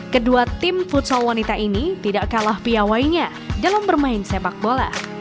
kedua tim futsal wanita ini tidak kalah piawainya dalam bermain sepak bola